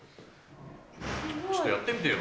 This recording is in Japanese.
ちょっとやってみてよ。